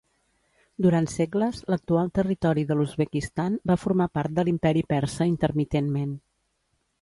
Durant segles, l'actual territori de l'Uzbekistan va formar part de l'imperi Persa intermitentment.